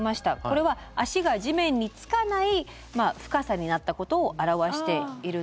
これは足が地面に着かない深さになったことを表しているんですね。